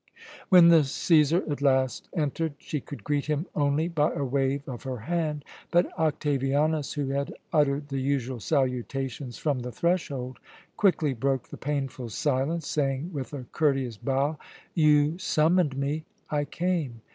When the Cæsar at last entered, she could greet him only by a wave of her hand; but Octavianus, who had uttered the usual salutations from the threshold, quickly broke the painful silence, saying with a courteous bow: "You summoned me I came.